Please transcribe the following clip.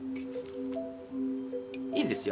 いいですよ